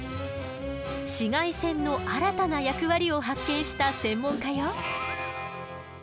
紫外線の新たな役割を発見した専門家よ。